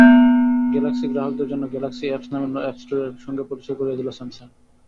Galaxy গ্রাহকদের জন্য Galaxy apps নামে অ্যাপ স্টোরের সঙ্গে পরিচয় করিয়ে দিল স্যামসাং।